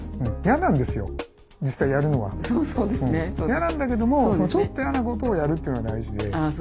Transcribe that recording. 嫌なんだけどもちょっと嫌なことをやるというのが大事で。